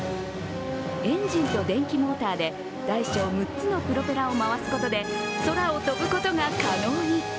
エンジンと電気モーターで大小６つのプロペラを回すことで空を飛ぶことが可能に。